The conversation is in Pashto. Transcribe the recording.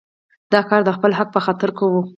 دا کار د خپل حق په خاطر کوو.